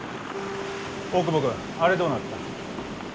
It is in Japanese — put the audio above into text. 大窪君あれどうなった？